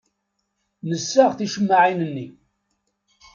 Nessaɣ ticemmaɛin-nni.